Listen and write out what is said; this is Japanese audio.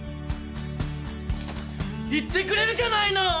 言ってくれるじゃないの！